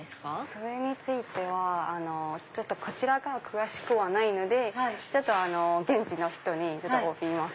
それについてはこちらが詳しくはないのでちょっと現地の人呼びますね。